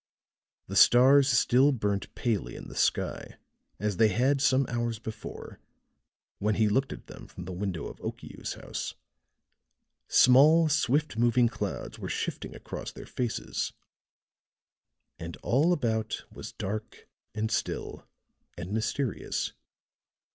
The stars still burnt palely in the sky as they had some hours before when he looked at them from the window of Okiu's house; small, swift moving clouds were shifting across their faces; and all about was dark and still and mysterious.